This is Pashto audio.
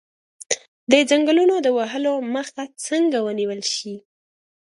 د ځنګلونو د وهلو مخه څنګه ونیول شي؟